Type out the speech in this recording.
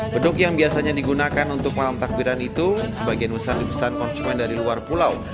beduk yang biasanya digunakan untuk malam takbiran itu sebagian besar dipesan konsumen dari luar pulau